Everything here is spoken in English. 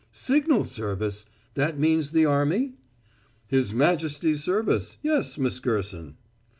"Signal service; that means the army?" "His majesty's service; yes, Miss Gerson."